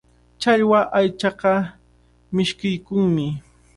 Challwa aychaqa mishkiykunmi.